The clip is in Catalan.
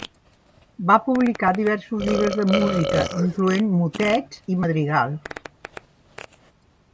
Va publicar diversos llibres de música, incloent motets i madrigals.